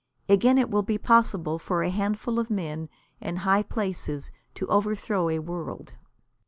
Again it will be possible for a handful of men in high place to overthrow a world.